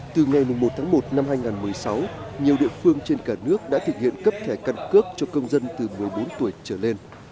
từ ngày một tháng một năm hai nghìn một mươi sáu nhiều địa phương trên cả nước đã thực hiện cấp thẻ căn cước cho công dân từ một mươi bốn tuổi trở lên